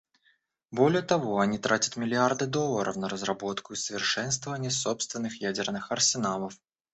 Более того, они тратят миллиарды долларов на разработку и совершенствование собственных ядерных арсеналов.